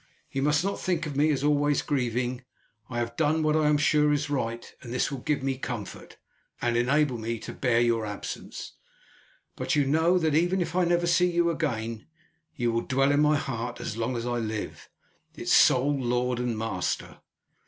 You must not think of me as always grieving. I have done what I am sure is right, and this will give me comfort, and enable me to bear your absence; but you know that, even if I never see you again, you will dwell in my heart as long as I live, its sole lord and master.